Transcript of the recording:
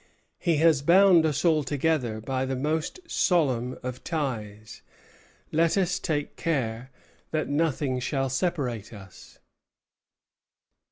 He has bound us all together by the most solemn of ties. Let us take care that nothing shall separate us."